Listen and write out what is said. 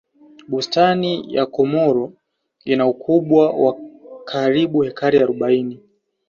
bustani ya karomo ina ukubwa wa karibu hekari arobaini